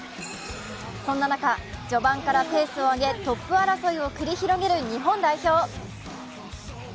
そんな中、序盤からペースを上げトップ争いを繰り広げる日本代表。